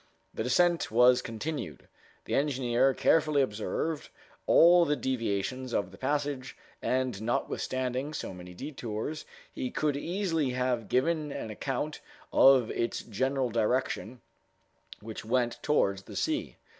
The descent was continued. The engineer carefully observed all the deviations of the passage, and notwithstanding so many detours, he could easily have given an account of its general direction, which went towards the sea.